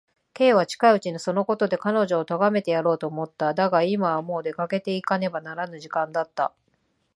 Ｋ は近いうちにそのことで彼女をとがめてやろうと思った。だが、今はもう出かけていかねばならぬ時間だった。